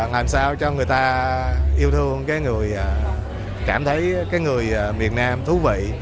làm sao cho người ta yêu thương cảm thấy người miền nam thú vị